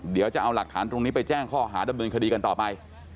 เดี๋ยวจะเอาหลักฐานตรงนี้ไปแจ้งข้อหาดำเนินคดีกันต่อไป